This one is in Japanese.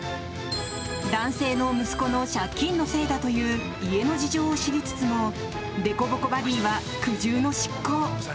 男性の息子の借金のせいだという家の事情を知りつつもでこぼこバディーは苦渋の執行。